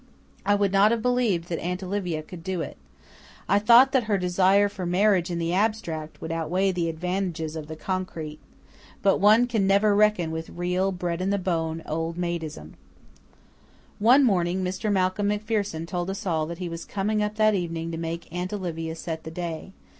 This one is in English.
I would not have believed that Aunt Olivia could do it. I thought that her desire for marriage in the abstract would outweigh the disadvantages of the concrete. But one can never reckon with real, bred in the bone old maidism. One morning Mr. Malcolm MacPherson told us all that he was coming up that evening to make Aunt Olivia set the day.